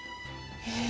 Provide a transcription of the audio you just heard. へえ！